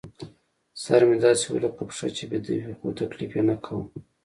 سر مې داسې و لکه پښه چې بېده وي، خو تکلیف یې نه کاوه.